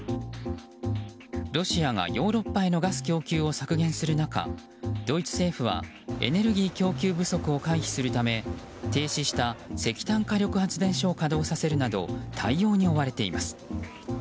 ロシアがヨーロッパへのガス供給を削減する中ドイツ政府はエネルギー供給不足を回避するため停止した石炭火力発電所を稼働させるなど対応に追われています。